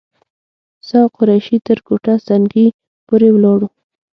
زه او قریشي تر کوټه سنګي پورې ولاړو.